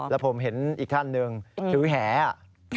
แล้วผมเห็นอีกท่านหนึ่งถือแหอ่ะ